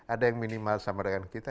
ada yang minimal sama dengan kita